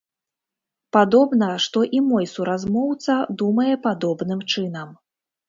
Падобна, што і мой суразмоўца думае падобным чынам.